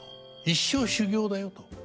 一生修業だよと。